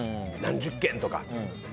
何十件とか。